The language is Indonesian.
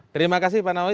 terima kasih pak nawawi